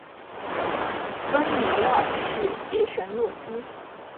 芬里尔是邪神洛基。